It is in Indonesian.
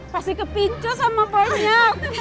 pasti kepincu sama bonyo